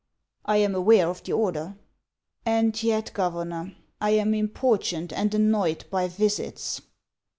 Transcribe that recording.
" I am aware of the order." " And yet, Governor, I am importuned and annoyed by visits."